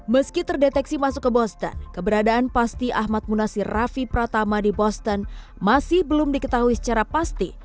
meski terdeteksi masuk ke boston keberadaan pasti ahmad munasir raffi pratama di boston masih belum diketahui secara pasti